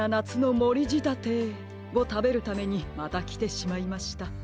つのもりじたてをたべるためにまたきてしまいました。